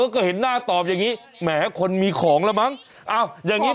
ก็เห็นหน้าตอบอย่างนี้แหมคนมีของแล้วมั้งอ้าวอย่างนี้